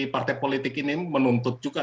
partai politik ini menuntut juga